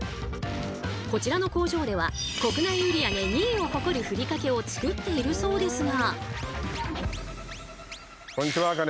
こちらの工場では国内売り上げ２位を誇るふりかけを作っているそうですが。